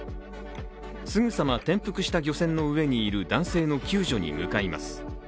すぐさま転覆した漁船の上にいる男性の救助に向かいます。